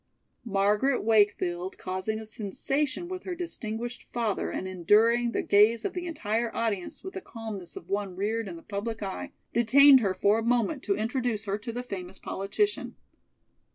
Margaret Wakefield, causing a sensation with her distinguished father, and enduring the gaze of the entire audience with the calmness of one reared in the public eye, detained her for a moment to introduce her to the famous politician.